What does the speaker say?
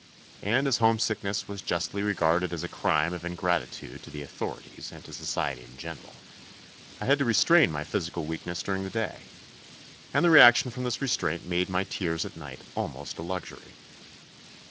And as home sickness was justly regarded as a crime of ingratitude to the authorities and to society in general, I had to restrain my physical weakness during the day, and the reaction from this restraint made my tears at night almost a luxury.